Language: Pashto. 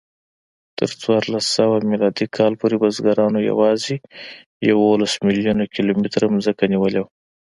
تر څوارلسسوه میلادي کال پورې بزګرانو یواځې یوولس میلیونه کیلومتره ځمکه نیولې وه.